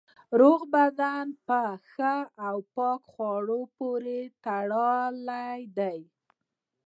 روغ بدن په ښه او پاکو خوړو پورې تړلی دی.